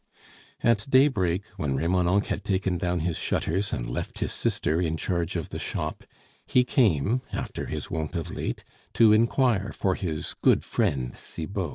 At daybreak, when Remonencq had taken down his shutters and left his sister in charge of the shop, he came, after his wont of late, to inquire for his good friend Cibot.